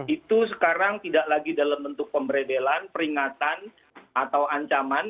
itu sekarang tidak lagi dalam bentuk pemberedelan peringatan atau ancaman